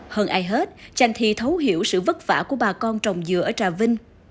hơn ai hết chanh thi thấu hiểu sự vất vả của bà con trồng dừa ở trà vinh